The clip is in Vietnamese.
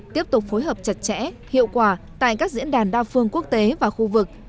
tiếp tục phối hợp chặt chẽ hiệu quả tại các diễn đàn đa phương quốc tế và khu vực